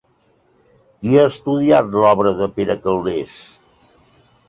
Qui ha estudiat l'obra de Pere Calders?